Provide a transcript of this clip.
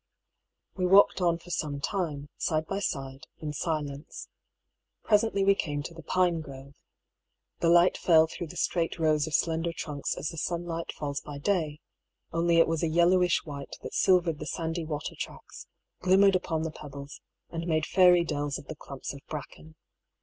We walked on for some time, side by side, in silence. Presently we came to the pine grove. The light fell through the straight rows of slender trunks as the sun light falls by day, only it was a yellowish white that silvered the sandy water tracks, glimmered upon the pebbles, and made fairy dells of the clumps of bracken.